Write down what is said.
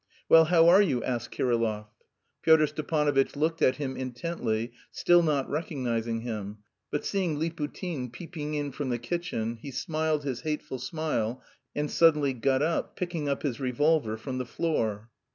"Well, how are you?" asked Kirillov. Pyotr Stepanovitch looked at him intently, still not recognising him; but seeing Liputin peeping in from the kitchen, he smiled his hateful smile and suddenly got up, picking up his revolver from the floor.